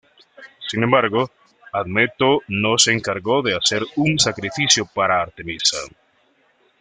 Sin embargo, Admeto no se encargó de hacer un sacrificio para Artemisa.